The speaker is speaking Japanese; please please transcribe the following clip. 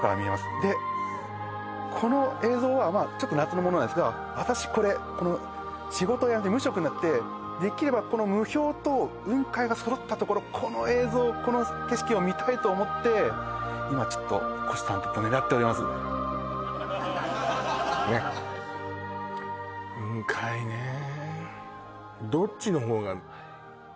でこの映像はまあちょっと夏のものなんですけど私これ仕事辞めて無職になってできればこの霧氷と雲海が揃ったところこの映像この景色を見たいと思って今ちょっと虎視たんたんと狙っておりますんでハハハハッねっ！